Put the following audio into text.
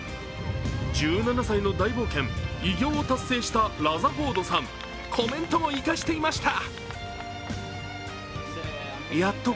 １７歳の大冒険、偉業を達成したラザフォードさんコメントもイカしていました。